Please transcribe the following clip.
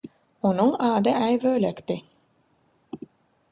Onuň ady Aýbölekdi.